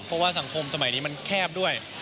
เพราะว่าสังคมสมัยนี้มันแคบด้วย